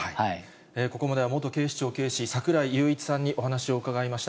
ここまでは元警視庁警視、櫻井裕一さんにお話を伺いました。